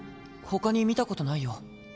ほかに見たことないよ。